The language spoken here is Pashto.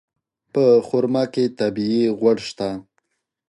په خرما کې طبیعي غوړ شته.